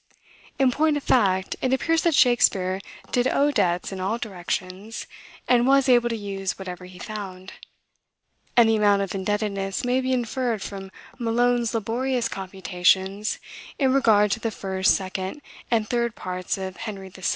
In point of fact, it appears that Shakspeare did owe debts in all directions, and was able to use whatever he found; and the amount of indebtedness may be inferred from Malone's laborious computations in regard to the First, Second, and Third parts of Henry VI.